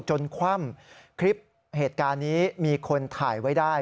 คว่ำคลิปเหตุการณ์นี้มีคนถ่ายไว้ได้